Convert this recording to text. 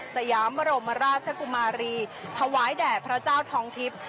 สยามบรมราชกุมารีถวายแด่พระเจ้าทองทิพย์